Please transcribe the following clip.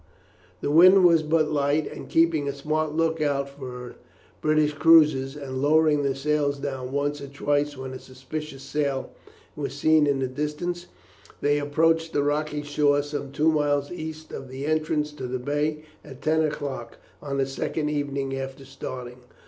The wind was but light, and keeping a smart look out for British cruisers, and lowering their sails down once or twice when a suspicious sail was seen in the distance, they approached the rocky shore some two miles east of the entrance to the bay at ten o'clock on the second evening after starting.